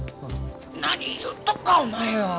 何言っとんかお前は。